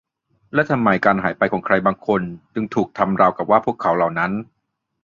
และทำไมการหายไปของใครบางคนจึงถูกทำราวกับว่าพวกเขาเหล่านั้น